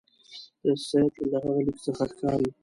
د سید له هغه لیک څخه ښکاري.